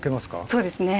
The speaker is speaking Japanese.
そうですね。